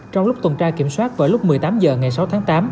trong lúc tuần tra kiểm soát vào lúc một mươi tám h ngày sáu tháng tám